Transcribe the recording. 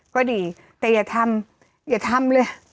ก็ดีแต่อย่าทำอย่าทำเลย